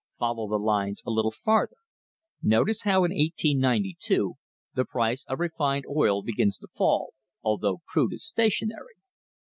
Follow the lines a little farther. Notice how, in 1892, the price of refined oil begins to fall, although crude is station ary.